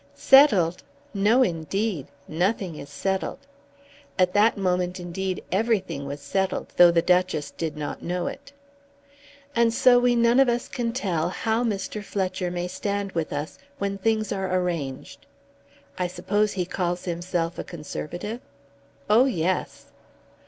"Settled! No, indeed. Nothing is settled." At that moment indeed everything was settled, though the Duchess did not know it. "And so we none of us can tell how Mr. Fletcher may stand with us when things are arranged. I suppose he calls himself a Conservative?" "Oh, yes!"